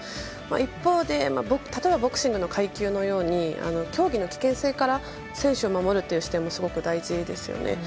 一方で例えばボクシングの階級のように競技の危険性から選手を守るという視点もすごく大事ですよね。